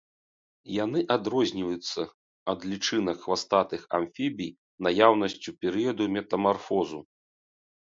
Яны адрозніваюцца ад лічынак хвастатых амфібій наяўнасцю перыяду метамарфозу.